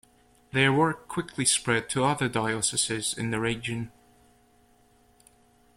Their work quickly spread to other dioceses in the region.